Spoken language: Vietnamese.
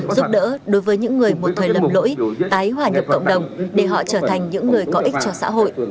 giúp đỡ đối với những người một thời lầm lỗi tái hòa nhập cộng đồng để họ trở thành những người có ích cho xã hội